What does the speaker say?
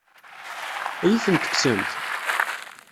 Ad iyi-tent-tekksemt?